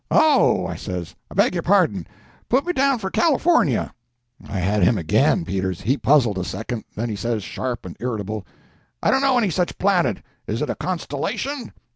"Oh," I says, "I beg your pardon. Put me down for California." I had him again, Peters! He puzzled a second, then he says, sharp and irritable— "I don't know any such planet—is it a constellation?"